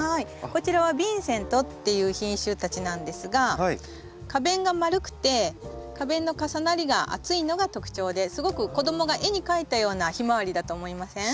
こちらはビンセントっていう品種たちなんですが花弁が丸くて花弁の重なりが厚いのが特徴ですごく子供が絵に描いたようなヒマワリだと思いません？